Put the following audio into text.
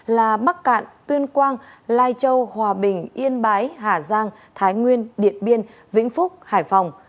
là bắc cạn tuyên quang lai châu hòa bình yên bái hà giang thái nguyên điện biên vĩnh phúc hải phòng